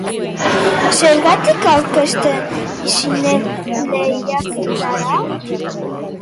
Zergatik aurkeztu zinen lehiaketara?